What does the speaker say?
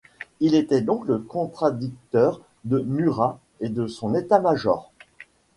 Il était donc le contradicteur de Murat et de son état-major.